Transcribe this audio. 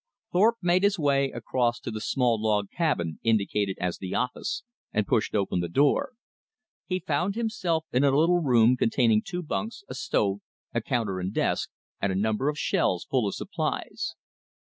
Thorpe made his way across to the small log cabin indicated as the office, and pushed open the door. He found himself in a little room containing two bunks, a stove, a counter and desk, and a number of shelves full of supplies.